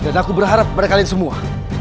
dan aku berharap kepada kalian semua